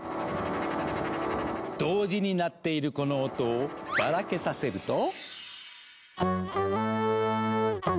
同時に鳴っているこの音をばらけさせると。